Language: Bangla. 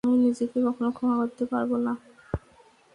আমি নিজেকে কখনো ক্ষমা করতে পারবো না।